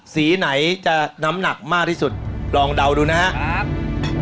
สีไหนจะน้ำหนักมากที่สุดลองเดาดูนะครับ